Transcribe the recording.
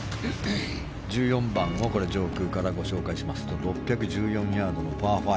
１４番を上空からご紹介しますと６１４ヤードのパー５。